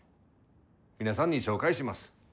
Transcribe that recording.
皆さんに紹介します。